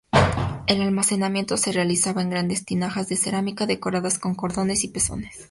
El almacenamiento se realizaba en grandes tinajas de cerámica, decoradas con cordones y pezones.